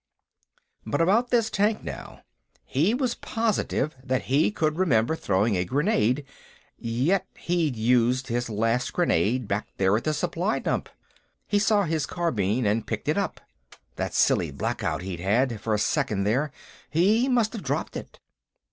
But about this tank, now. He was positive that he could remember throwing a grenade.... Yet he'd used his last grenade back there at the supply dump. He saw his carbine, and picked it up. That silly blackout he'd had, for a second, there; he must have dropped it.